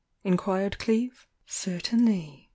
inquired Cleeve. "Certainly